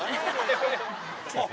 あっ。